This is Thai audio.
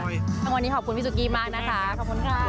จากวันนี้ขอบคุณพี่สุภีมากนะคะ